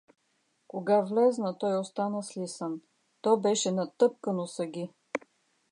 Кога влезна, той остана слисан; то беше натъпкано с аги!